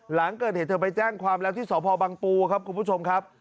หลังเกิดเหตุเธอไปแจ้งความแล้วที่สพบังปูครับคุณผู้ชมครับ